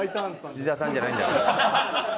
土田さんじゃないんだから。